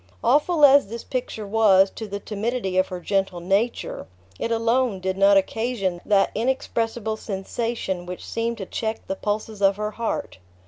Awful as this picture was to the timidity of her gentle nature, it alone did not occasion that inexpressible sensation which seemed to check the pulses of her heart.